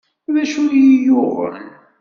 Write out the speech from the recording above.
D acu i iyi-yuɣen?